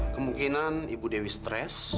kemungkinan ibu dewi stres